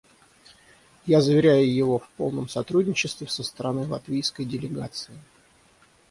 Я заверяю его в полном сотрудничестве со стороны латвийской делегации.